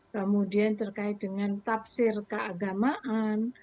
kemudian terkait dengan tafsir keagamaan